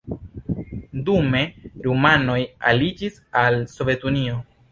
Dume rumanoj aliĝis al Sovetunio.